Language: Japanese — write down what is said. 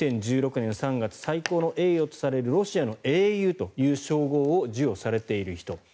２０１６年３月最高の栄誉とされるロシアの英雄という称号を授与されている人。